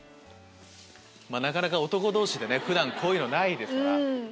なかなか男同士で普段こういうのないですから。